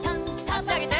あしあげて。